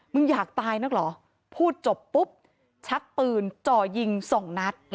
อยากตายนักเหรอพูดจบปุ๊บชักปืนจ่อยิงสองนัด